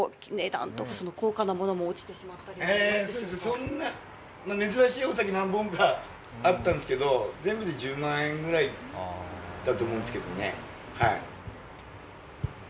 そんな珍しいお酒が何本かあったんですけど全部で１０万円ぐらいだと思うんですけどね。